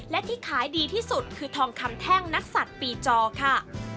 และที่ขายดีที่สุดคือทองคำแท่งนักศัตริย์ปีจอค่ะ